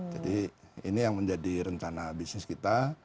jadi ini yang menjadi rencana bisnis kita